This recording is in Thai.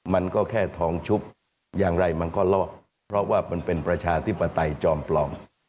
มันก็แค่ทองชุบอย่างไรมันก็รอดเพราะว่ามันเป็นประชาธิปไตยจอมปลอม